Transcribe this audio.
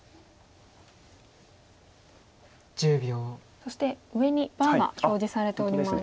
そして上にバーが表示されております。